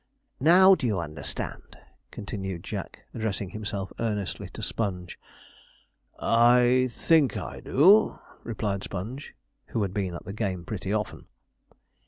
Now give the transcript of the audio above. Now do you understand?' continued Jack, addressing himself earnestly to Sponge. 'I think I do,' replied Sponge who had been at the game pretty often.